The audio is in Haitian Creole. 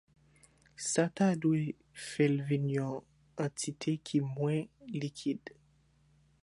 sa ta dwe fèl vinn yon antite ki mwen likid